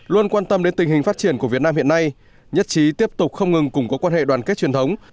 luôn quan tâm đến tình hình phát triển của việt nam hiện nay nhất trí tiếp tục không ngừng củng cố quan hệ đoàn kết truyền thống